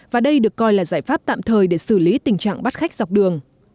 và đây được coi là giải pháp tạm thời để xử lý tình trạng bắt khách dọc đường